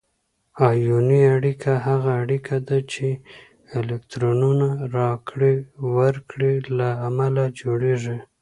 آیوني اړیکه هغه اړیکه ده چې د الکترونونو راکړې ورکړې له امله جوړیږي.